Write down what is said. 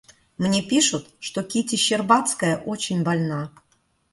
Мне пишут, что Кити Щербацкая очень больна.